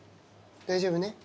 大丈夫ね。